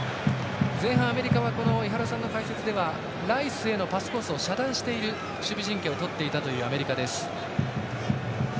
前半、アメリカは井原さんの解説ではライスへのパスコースを遮断している守備陣形をとっていたというアメリカ。